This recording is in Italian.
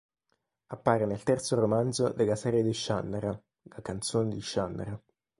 Appare nel terzo romanzo della serie di Shannara, "La Canzone di Shannara".